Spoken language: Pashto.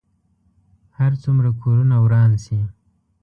هر څومره کورونه وران شي.